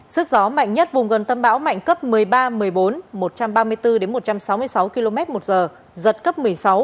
sức gió mạnh nhất vùng gần tâm bão mạnh cấp một mươi ba một mươi bốn một trăm ba mươi bốn một trăm sáu mươi sáu km một giờ giật cấp một mươi sáu